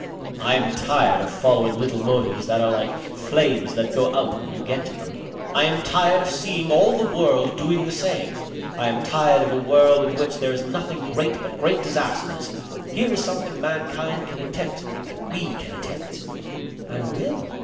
"I am tired of following little motives that are like flames that go out when you get to them. I am tired of seeing all the world doing the same. I am tired of a world in which there is nothing great but great disasters. Here is something mankind can attempt, that we can attempt." "And will?"